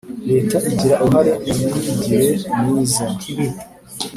leta igira uruhare mu myigire myiza.